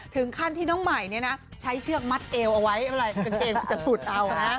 ถึงขั้นที่น้องไหมใช้เชือกมัดเอวเอาไว้อะไรเก่งจากสูตรเอานะ